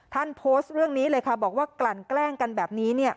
ท่านโพสต์เรื่องนี้เลยค่ะบอกว่ากลั่นแกล้งกันแบบนี้เนี่ย